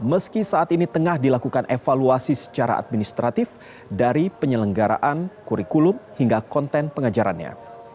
meski saat ini tengah dilakukan evaluasi secara administratif dari penyelenggaraan kurikulum hingga konten pengajarannya